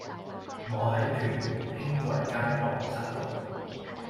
我喺屯門興貴街盪失路